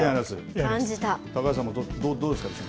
高橋さんもどうですか？